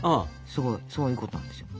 すごいそういうことなんですよ。